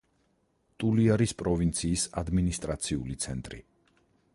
ტულიარის პროვინციის ადმინისტრაციული ცენტრი.